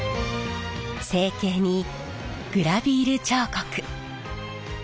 成形にグラヴィール彫刻切子。